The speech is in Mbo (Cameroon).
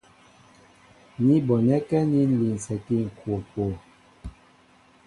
Ní bonɛ́kɛ́ aní ń linsɛkí ŋ̀kokwo.